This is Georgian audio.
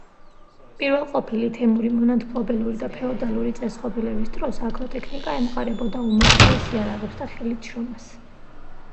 პირველყოფილი თემური, მონათმფლობელური და ფეოდალური წესწყობილების დროს აგროტექნიკა ემყარებოდა უმარტივეს იარაღებს და ხელით შრომას.